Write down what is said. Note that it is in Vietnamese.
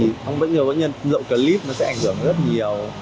không bất ngờ bất ngờ dẫu clip nó sẽ ảnh hưởng rất nhiều